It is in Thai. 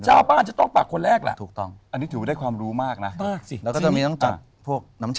เจ้าบ้านจะต้องปากคนแรกละ